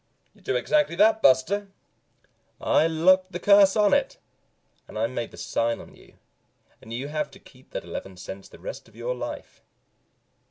"You do exactly that, Buster. I locked the curse on it, and I made the sign on you, and you have to keep that eleven cents the rest of your life.